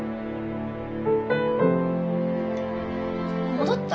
戻った？